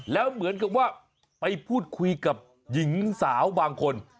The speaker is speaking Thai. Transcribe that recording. แล้วเหมือนกับว่าไปพูดคุยกับหญิงสาวบางคน